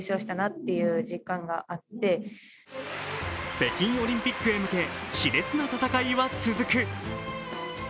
北京オリンピックへ向けし烈な戦いは続く。